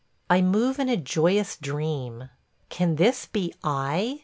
... I move in a joyous dream. Can this be I?